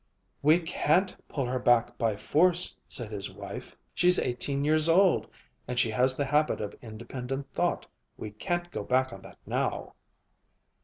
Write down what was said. "We can't pull her back by force," said his wife. "She's eighteen years old, and she has the habit of independent thought. We can't go back on that now."